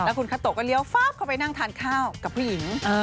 คุณคาโตก็เลี้ยวฟ้าบเข้าไปนั่งทานข้าวกับผู้หญิง